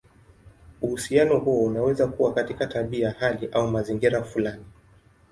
Uhusiano huo unaweza kuwa katika tabia, hali, au mazingira fulani.